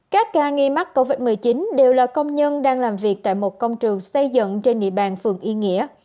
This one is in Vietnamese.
các ca nghi mắc covid một mươi chín đều là công nhân đang làm việc tại một công trường xây dựng trên địa bàn phường yên nghĩa